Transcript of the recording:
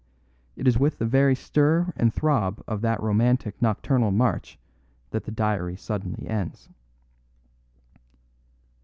It is with the very stir and throb of that romantic nocturnal march that the diary suddenly ends."